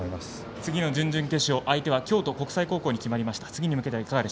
次の準々決勝、相手は京都国際高校に決まりました。